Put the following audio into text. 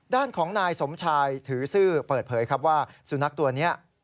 ด้านของนายสมชายถือซื่อเปิดเผยครับว่าสุนัขตัวนี้